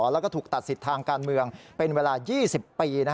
แล้วก็ถูกตัดสิทธิ์ทางการเมืองเป็นเวลา๒๐ปี